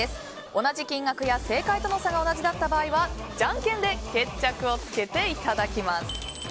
同じ金額や正解との差が同じだった場合はじゃんけんで決着をつけていただきます。